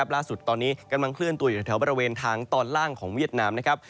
ล่าสุดตอนนี้กำลังเคลื่อนตัวอยู่แถวบริเวณทางตอนล่างของเวียดนามนะครับ